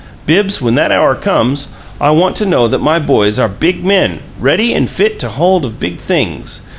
Bibbs, when that hour comes I want to know that my boys are big men, ready and fit to take hold of big things.